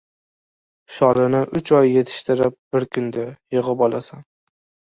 • Sholini uch oy yetishtirib, bir kunda yig‘ib olasan.